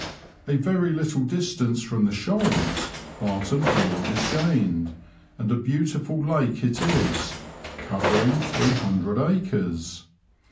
A very little distance from the Shoals, Barton Broad is gained, and a beautiful lake it is, covering three hundred acres.